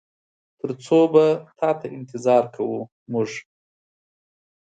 تر څو به تاته انتظار کوو مونږ؟